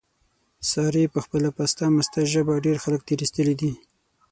سارې په خپله پسته مسته ژبه، ډېر خلک تېر ایستلي دي.